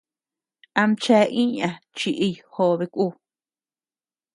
Amchea iña chiʼiy jobe ku.